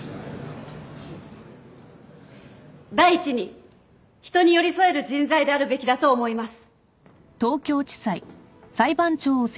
第一に人に寄り添える人材であるべきだと思います。